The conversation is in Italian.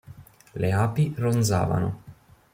Le api ronzavano.